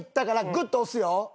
グッと押すよ。